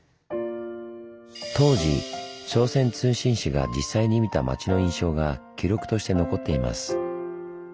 当時朝鮮通信使が実際に見た町の印象が記録として残っています。